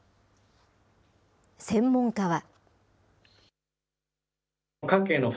専門家は。